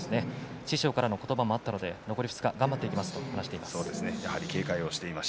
師匠の言葉からもあったので残り２日頑張っていきたいと思いますと話しています。